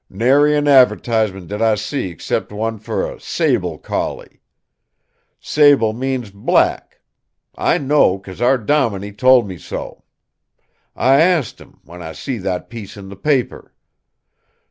Nary an adv'tisement did I see excep' one fer a 'sable' collie. 'Sable' means 'black.' I know, because our dominie told me so. I asked him, when I see that piece in the paper.